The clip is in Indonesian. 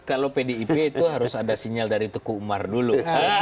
kalau pdip itu harus ada sinyal dari teguh umar dulu